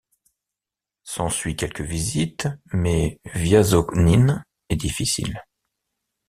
S’ensuit quelques visites, mais Viazovnine est difficile.